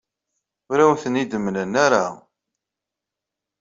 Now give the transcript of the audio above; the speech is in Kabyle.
Ur awen-ten-id-mlan ara.